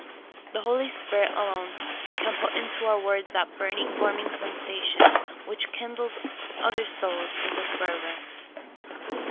The Holy Spirit alone can put into our words that burning, warming sensation which kindles other souls into fervor.